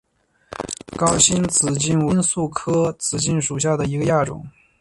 高茎紫堇为罂粟科紫堇属下的一个亚种。